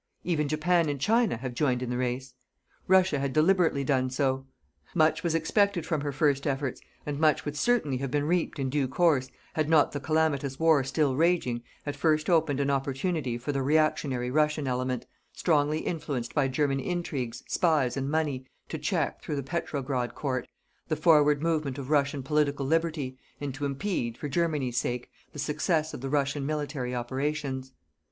Even Japan and China have joined in the race. Russia had deliberately done so. Much was expected from her first efforts, and much would certainly have been reaped in due course had not the calamitous war still raging at first opened an opportunity for the reactionary Russian element, strongly influenced by German intrigues, spies and money, to check, through the Petrograd Court, the forward movement of Russian political liberty, and to impede, for Germany's sake, the success of the Russian military operations.